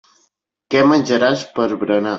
Què menjaràs per berenar.